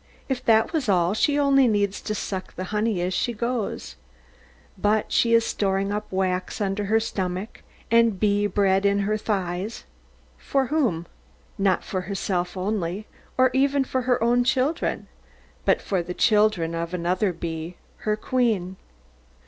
If that was all, she only needs to suck the honey as she goes. But she is storing up the wax under her stomach, and bee bread in her thighs for whom? Not for herself only, or even for her own children: but for the children of another bee, her queen.